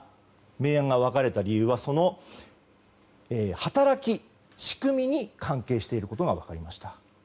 明暗が分かれた理由はその働き、仕組みに関係していることが分かりました。